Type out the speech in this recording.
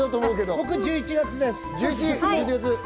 僕も１１月です。